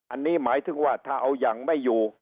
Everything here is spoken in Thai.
อันนี้หมายถึงว่าถ้าเอายังไม่อยู่